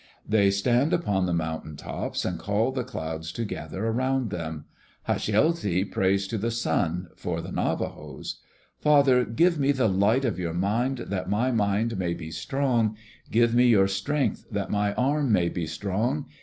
They stand upon the mountain tops and call the clouds to gather around them. Hasjelti prays to the sun, for the Navajos. "Father, give me the light of your mind that my mind may be strong. Give me your strength, that my arm may be strong.